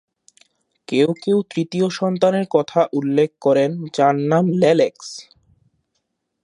কেউ কেউ তৃতীয় সন্তানের কথা উল্লেখ করেন যার নাম লেলেক্স।